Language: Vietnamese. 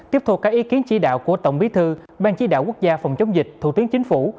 tiếp thu các ý kiến chỉ đạo của tổng bí thư ban chỉ đạo quốc gia phòng chống dịch thủ tướng chính phủ